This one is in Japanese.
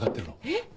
えっ！